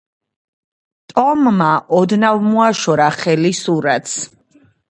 ტომმა ოდნავ მოაშორა ხელი სურათს....